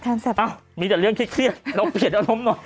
อ้าวมีแต่เรื่องเครียดลองเปลี่ยนอารมณ์หน่อย